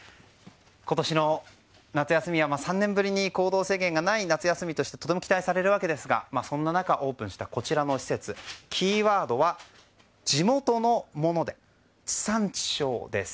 今年の夏休みは３年ぶりに行動制限がない夏休みとしてとても期待されるわけですがそんな中、オープンしたこちらの施設キーワードは地元のもので地産地消です。